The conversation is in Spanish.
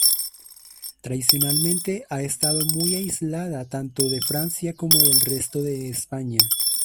Tradicionalmente ha estado muy aislada tanto de Francia como del resto de España.